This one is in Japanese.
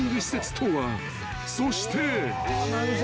［そして］